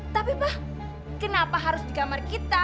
tapi bah kenapa harus di kamar kita